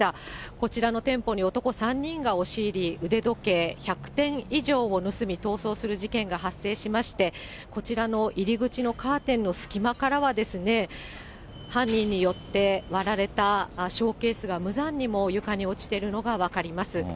こちらの店舗に男３人が押し入り、腕時計１００点以上を盗み、逃走する事件が発生しまして、こちらの入り口のカーテンの隙間からは、犯人によって割られたショーケースが、無残にも床に落ちているのが分かります。